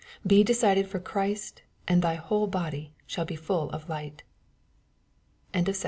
Be decided for Cbrist, and '^ thy wbole body sbaU be full of light." MATTHEW VI.